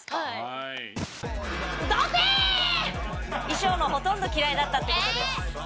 衣装のほとんど嫌いだったって事です。